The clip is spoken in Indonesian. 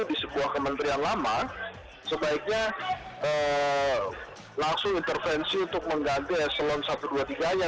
di sebuah kementerian lama sebaiknya langsung intervensi untuk mengganti eselon satu dua tiga nya